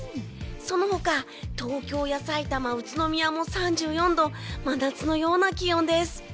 その他、東京やさいたま宇都宮も３４度真夏のような気温です。